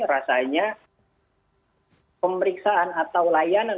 rasanya pemeriksaan atau layanan